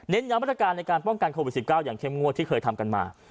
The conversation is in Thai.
ย้ำมาตรการในการป้องกันโควิด๑๙อย่างเข้มงวดที่เคยทำกันมา